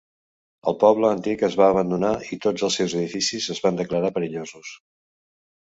El poble antic es va abandonar i tots els seus edificis es van declarar perillosos.